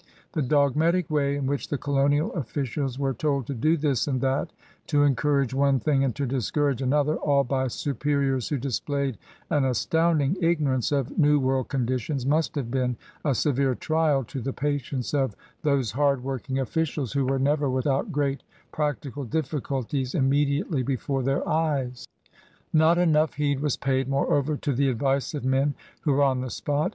The dogmatic way in which the colonial officials were told to do this and that, to encourage one thing and to discourage another, all by superiors who displayed an astounding ignorance of New World conditions, must have been a severe trial to the patience of those hard working officiab who were never without great practical difficulties immediately before their eyes. 1« CRUSADERS OP NEW FRANCE Not enough heed was paid, moreover, to the advice of men who were on the spot.